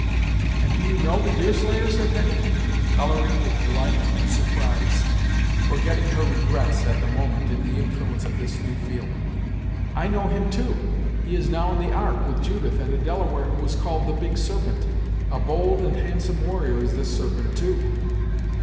"And do you know the Deerslayer?" said Hetty, coloring with delight and surprise; forgetting her regrets, at the moment, in the influence of this new feeling. "I know him, too. He is now in the Ark, with Judith and a Delaware who is called the Big Serpent. A bold and handsome warrior is this Serpent, too!"